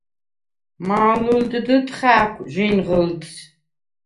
მა̄ლჷლდდ ხა̄̈ქუ̂ ჟინღჷლდს: